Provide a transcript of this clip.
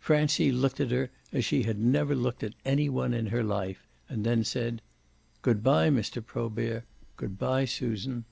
Francie looked at her as she had never looked at any one in her life, and then said: "Good bye, Mr. Probert good bye, Susan."